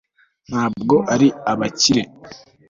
ntabwo ari abakire